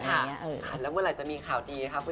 พูดตรงแล้วเวลาจะมีข่าวดี